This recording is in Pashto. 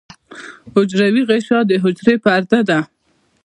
حجروی غشا د حجرې پرده ده